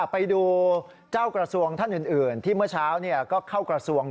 ไปดูเจ้ากระทรวงท่านอื่นที่เมื่อเช้าก็เข้ากระทรวง